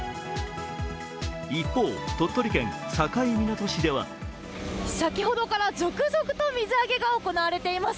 一方、鳥取県境港市では先ほどから続々と水揚げが行われています。